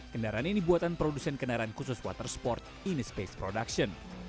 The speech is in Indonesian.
kendaraan ini buatan produsen kendaraan khusus water sport ini space production